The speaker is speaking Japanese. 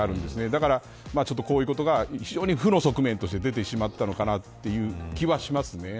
だから、こういうことが非常に負の側面として出てしまったのかなという気はします。